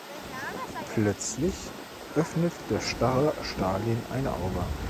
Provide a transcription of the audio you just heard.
Plötzlich öffnet der starre Stalin ein Auge.